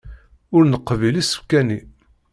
Ur neqbil isefka-nni.